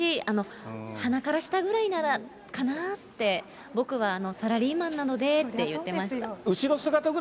鼻から下ぐらいならかなって、僕はサラリーマンなのでって言ってました。